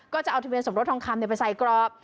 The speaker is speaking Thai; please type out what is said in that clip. ก็จะเอาทะเบียนสมรสทองคำไปใส่กรอบ